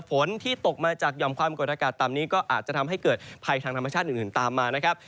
ฝนที่ตกมาจากหย่อมความกดอากาศต่ำนี้ก็อาจจะทำให้เกิดภัยทางธรรมชาติอื่นตามมานะครับ